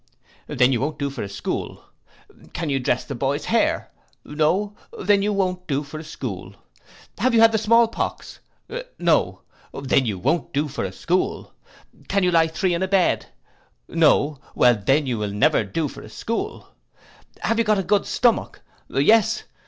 Then you won't do for a school. Can you dress the boys hair? No. Then you won't do for a school. Have you had the small pox? No. Then you won't do for a school. Can you lie three in a bed? No. Then you will never do for a school. Have you got a good stomach? Yes.